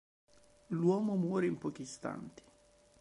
L'uomo muore in pochi istanti.